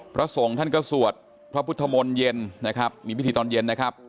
พระสงฆ์ท่านก็สวดพระพุทธมนต์เย็นนะครับมีพิธีตอนเย็นนะครับ